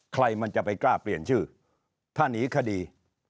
ใครมันจะไปกล้าเปลี่ยนชื่อถ้าหนีคดี